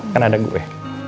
kan ada gue